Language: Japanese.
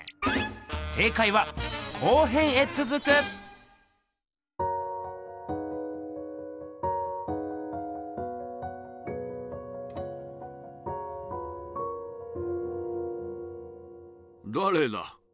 正かいはだれだ？